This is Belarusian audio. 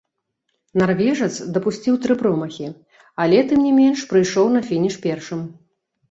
Нарвежац дапусціў тры промахі, але тым не менш прыйшоў на фініш першым.